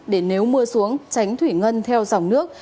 để nếu mưa xuống tránh thủy ngân theo dòng nước